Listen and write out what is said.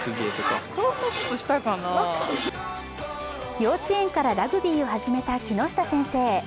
幼稚園からラグビーを始めた木下先生。